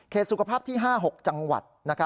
สุขภาพที่๕๖จังหวัด